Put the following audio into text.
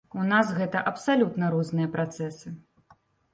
У нас гэта абсалютна розныя працэсы.